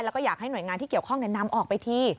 แล้วก็อยากให้หน่วยงานที่เกี่ยวข้องนำออกไปที